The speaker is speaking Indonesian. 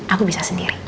aku bisa sendiri